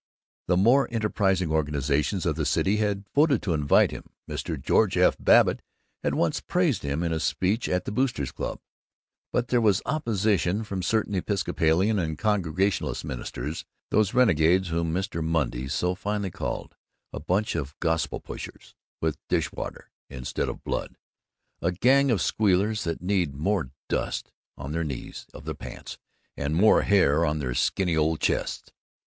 The more enterprising organizations of the city had voted to invite him Mr. George F. Babbitt had once praised him in a speech at the Boosters' Club. But there was opposition from certain Episcopalian and Congregationalist ministers, those renegades whom Mr. Monday so finely called "a bunch of gospel pushers with dish water instead of blood, a gang of squealers that need more dust on the knees of their pants and more hair on their skinny old chests."